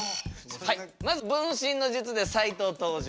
まず分身の術で斉藤登場。